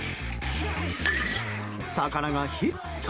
魚がヒット！